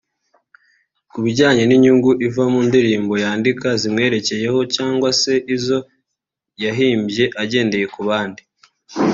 Ku bijyanye n’inyungu iva mu ndirimbo yandika zimwerekeyeho cyangwa se izo yahimbye agendeye ku bandi